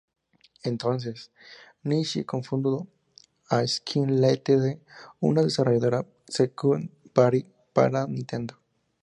Entonces, Nishi cofundó Skip Ltd., una desarrolladora second-party para Nintendo.